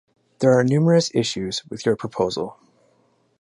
There are numerous issues with your proposal.